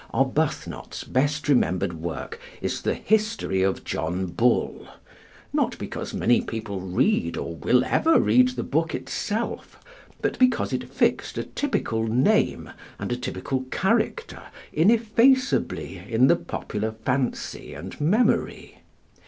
Arbuthnot's best remembered work is 'The History of John Bull'; not because many people read or will ever read the book itself, but because it fixed a typical name and a typical character ineffaceably in the popular fancy and memory.